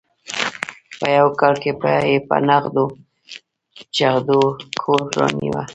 په یوه کال کې یې په نغدو چغدو کور رانیوه.